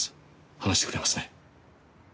話してくれますね？